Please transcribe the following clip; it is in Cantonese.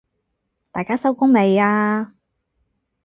大家收工未啊？